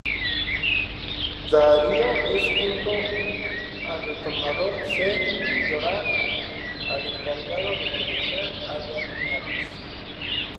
Daario es, junto al retornado Ser Jorah, el encargado de proteger a Daenerys.